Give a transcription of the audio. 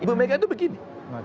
ibu mega itu begini